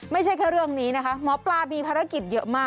ไม่ใช่แค่เรื่องนี้นะคะหมอปลามีภารกิจเยอะมาก